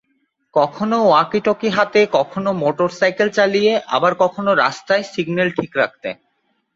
কখনো ওয়াকিটকি হাতে, কখনো মোটরসাইকেল চালিয়ে আবার কখনো রাস্তায় সিগন্যাল ঠিক রাখতে।